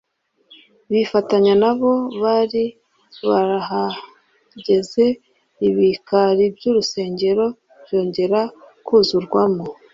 bifatanya n'abo bar' bahageze; ibikari by'urusengero byongera kuzurwamo